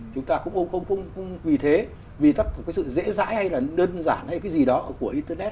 chúng ta cũng không vì thế vì cái sự dễ dãi hay là đơn giản hay cái gì đó của internet